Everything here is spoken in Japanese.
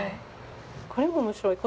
これも面白い。